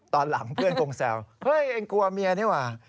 ตอนหลังเพื่อนคงแซวเฮ้ยเองกลัวเมียนี่ว่ะ